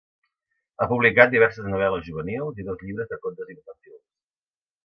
Ha publicat diverses novel·les juvenils i dos llibres de contes infantils.